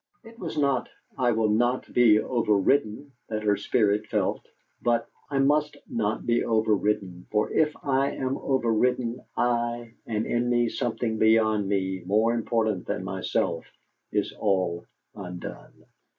It was not "I will not be overridden" that her spirit felt, but "I must not be over ridden, for if I am over ridden, I, and in me something beyond me, more important than myself, is all undone."